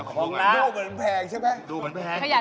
ของดูเหมือนแพงใช่ไหม